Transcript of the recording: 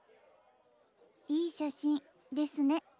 いい写真ですね。